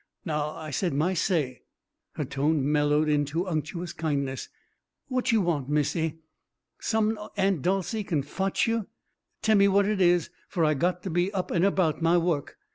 Now I said my say" her tone mellowed into unctuous kindness "what you want, Missy? Som'n Aun' Dolcey c'n fotch you? Temme what it is, f'r I got to be up an' erbout my wuk.